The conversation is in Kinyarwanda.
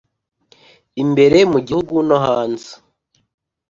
imbere mu gihugu no hanze